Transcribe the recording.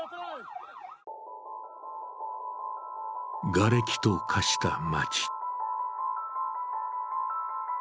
がれきと化した街。